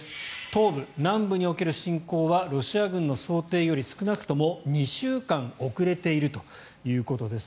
東部、南部における侵攻はロシア軍の想定より少なくとも２週間遅れているということです。